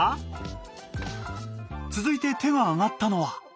続いて手が挙がったのは。